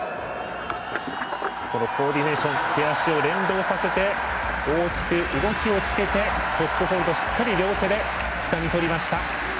コーディネーション手足を連動させて大きく動きをつけてトップホールドしっかり両手でつかみとりました。